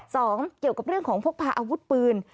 เกี่ยวกับเรื่องของพกพาอาวุธปืน